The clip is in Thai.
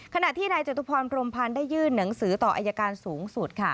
ขณะที่นายจตุพรพรมพันธ์ได้ยื่นหนังสือต่ออายการสูงสุดค่ะ